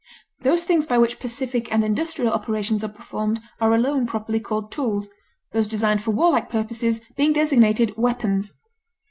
Those things by which pacific and industrial operations are performed are alone properly called tools, those designed for warlike purposes being designated weapons.